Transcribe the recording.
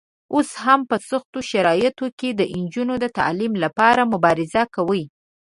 اوس هم په سختو شرایطو کې د نجونو د تعلیم لپاره مبارزه کوي.